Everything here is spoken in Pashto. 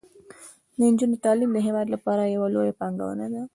د نجونو تعلیم د هیواد لپاره یوه لویه پانګونه ده.